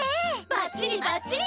バッチリバッチリ！